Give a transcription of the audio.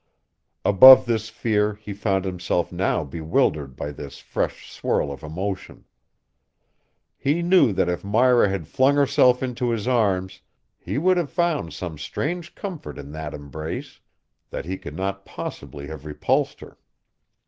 Above this fear he found himself now bewildered by this fresh swirl of emotion. He knew that if Myra had flung herself into his arms he would have found some strange comfort in that embrace, that he could not possibly have repulsed her.